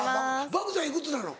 漠ちゃん幾つなの？